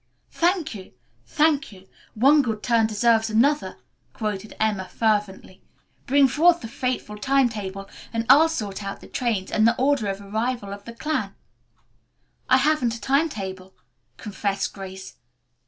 "Thank you, thank you! 'One good turn deserves another,'" quoted Emma fervently. "Bring forth the fateful time table and I'll sort out the trains and the order of arrival of the clan." "I haven't a time table," confessed Grace.